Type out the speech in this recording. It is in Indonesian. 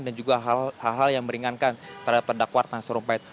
dan juga hal hal yang meringankan terhadap terdakwa ratna sarongpahit